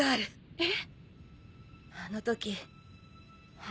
えっ